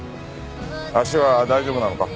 足は大丈夫なのか？